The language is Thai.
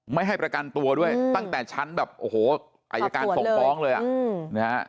ไม่ให้ประกันตัวด้วยตั้งแต่ชั้นแบบโอ้โหอายการส่งฟ้องเลยอ่ะนะฮะ